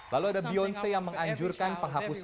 lalu ada beyonse yang menganjurkan penghapusan